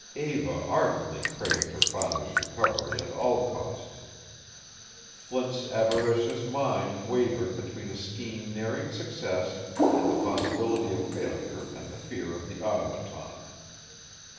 Eva ardently craved her father's recovery at all costs. Flint's avaricious mind wavered between a scheme nearing success and the possibility of failure and the fear of the Automaton.